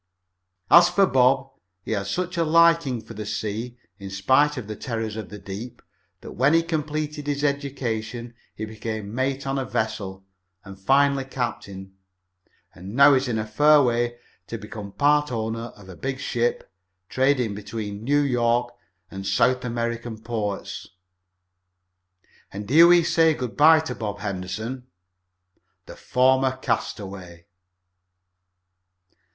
As for Bob, he had such a liking for the sea, in spite of the terrors of the deep, that when he completed his education he became mate on a vessel, and finally captain, and now is in a fair way to become part owner of a big ship trading between New York and South American ports. And here we will say good by to Bob Henderson, the former castaway.